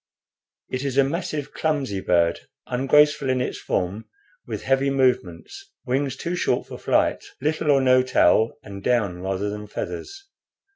It is a massive, clumsy bird, ungraceful in its form with heavy movements, wings too short for flight, little or no tail, and down rather than feathers.